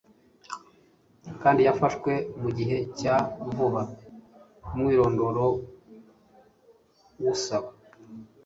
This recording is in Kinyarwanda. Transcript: kandi yafashwe mu gihe cya vuba, umwirondoro w'usaba.